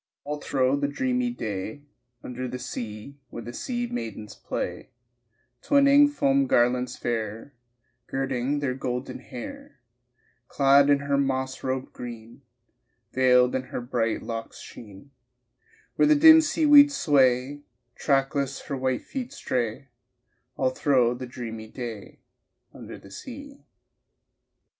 All thro' the dreamy day Under the sea Where the sea maidens play, Twining foam garlands fair, Girding their golden hair, Clad in her moss robe green Veiled in her bright locks' sheen Where the dim seaweeds sway, Trackless her white feet stray All thro' the dreamy day Under the sea.